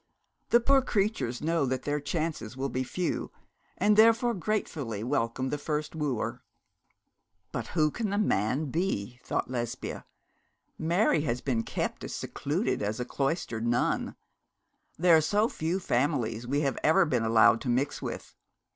The poor creatures know that their chances will be few, and therefore gratefully welcome the first wooer. 'But who can the man be?' thought Lesbia. 'Mary has been kept as secluded as a cloistered nun. There are so few families we have ever been allowed to mix with.